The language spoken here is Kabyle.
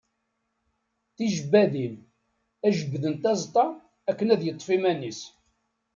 Tijebbadin, ad jebdent aẓeṭṭa akken ad yeṭṭef iman-is.